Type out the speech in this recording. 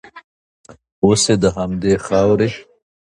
اوس یې د همدې خاورې